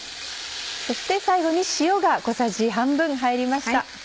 そして最後に塩が小さじ半分入りました。